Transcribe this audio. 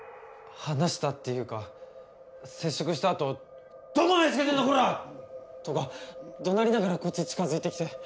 話したっていうか接触したあと「どこ目ぇつけてんだコラ！」とか怒鳴りながらこっち近づいてきて。